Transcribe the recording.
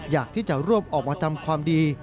อยากที่จะร่วมออกมาทำความดี